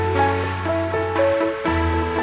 mas bangun mas